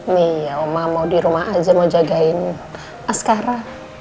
nih ya oma mau di rumah aja mau jagain askara